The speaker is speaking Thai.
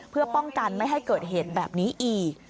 เพื่อป้องกันไม่ให้เกิดเหตุแบบนี้อีก